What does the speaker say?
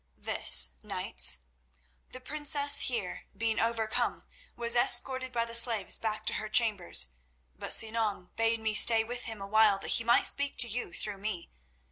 "This, knights. The princess here, being overcome, was escorted by the slaves back to her chambers, but Sinan bade me stay with him awhile that he might speak to you through me.